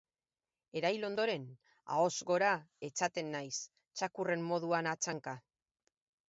Erail ondoren, ahoz gora etzaten naiz, txakurren moduan hatsanka.